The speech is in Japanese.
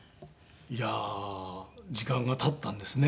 いやあ時間が経ったんですね。